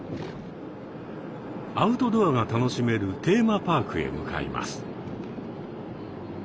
アウトドアが楽しめるテーマパークへ向かいます。